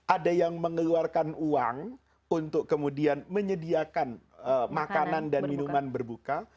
ada yang mengeluarkan uang untuk kemudian menyediakan makanan dan minuman berbuka